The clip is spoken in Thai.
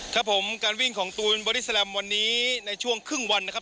ครับผมการวิ่งของตูนบอดี้แลมวันนี้ในช่วงครึ่งวันนะครับ